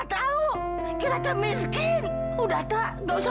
terus terus terus